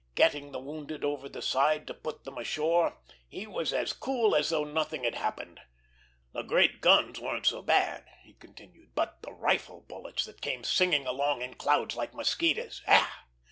Getting the wounded over the side to put them ashore, he was as cool as though nothing was happening. The great guns weren't so bad," he continued "but the rifle bullets that came singing along in clouds like mosquitoes! Yah!"